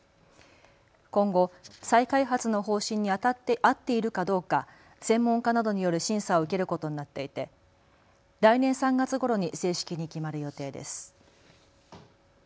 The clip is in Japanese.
今後、再開発の方針に合っているかどうか専門家などによる審査を受けることになっていて来年３月ごろに正式に決まる予定です。